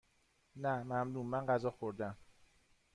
نه ممنون، من غذا خوردهام.